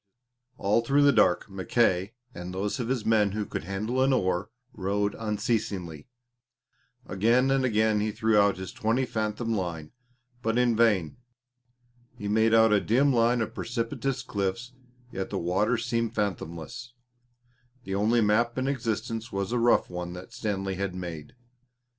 All through the dark, Mackay and those of his men who could handle an oar rowed unceasingly. Again and again he threw out his twenty fathom line, but in vain. He made out a dim line of precipitous cliffs, yet the water seemed fathomless the only map in existence was a rough one that Stanley had made.